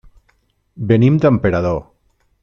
Venim d'Emperador.